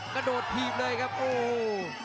กระโดดถีบเลยครับโอ้โห